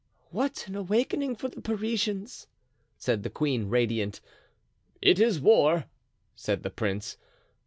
"What an awakening for the Parisians!" said the queen, radiant. "It is war," said the prince.